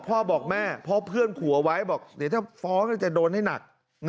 พ่อบอกแม่เพราะเพื่อนขัวไว้ถ้าฟ้อก็จะโดนให้หนัก